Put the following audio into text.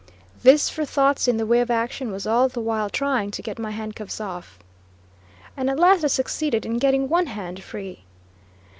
This for thoughts in the way of action, was all the while trying to get my handcuffs off, and at last I succeeded in getting one hand free.